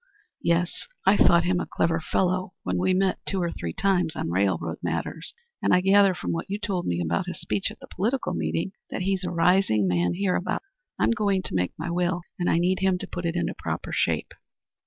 "Yes, I thought him a clever fellow when we met two or three times on railroad matters, and I gather from what you told me about his speech at the political meeting that he's a rising man hereabouts. I'm going to make my will, and I need him to put it into proper shape."